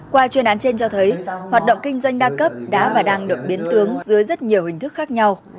qua chuyên án trên cho thấy hoạt động kinh doanh đa cấp đã và đang được biến tướng dưới rất nhiều hình thức khác nhau